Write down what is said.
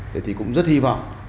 thế thì cũng rất hy vọng